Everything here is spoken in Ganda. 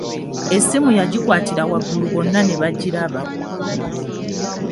Essimu yagikwatira waggulu bonna ne bagiraba.